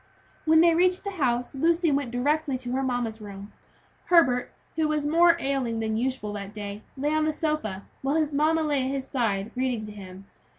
When they reached the house Lucy went directly to her mamma's room. Herbert, who was more ailing than usual that day, lay on a sofa, while his mamma sat by his side, reading to him.